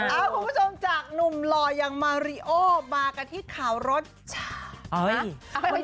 คุณผู้ชมจากหนุ่มหล่ออย่างมาริโอมากันที่ข่าวรสชาติ